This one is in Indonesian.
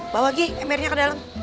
bawa gih embernya ke dalam